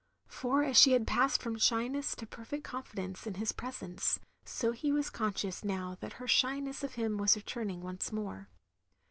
" For as she had passed from shyness to perfect confidence in his presence, so he was conscious now that her shyness of him was returning once more.